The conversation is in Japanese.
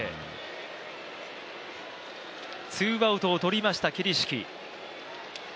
ツーアウトをとりました、桐敷。